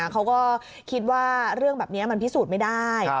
เขาก็คิดว่าเรื่องแบบนี้มันพิสูจน์ไม่ได้